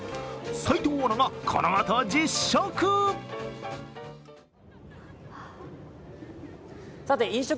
齋藤アナがこのあと実食。